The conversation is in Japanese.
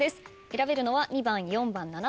選べるのは２番４番７番です。